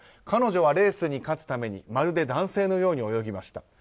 彼女はレースに勝つためにまるで男性のように泳ぎました。